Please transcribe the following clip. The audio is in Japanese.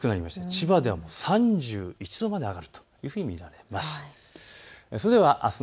千葉では３１度まで上がるというふうに見られています。